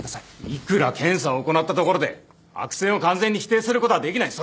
いくら検査を行ったところで悪性を完全に否定することはできない。